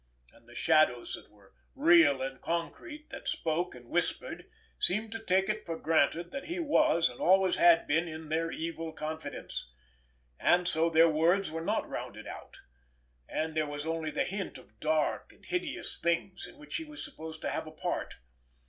And the shadows that were real and concrete, that spoke and whispered, seemed to take it for granted that he was and always had been in their evil confidence, and so their words were not rounded out, and there was only the hint of dark and hideous things in which he was supposed to have his part.